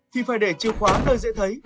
thì phải để chìa khóa nơi dễ thấy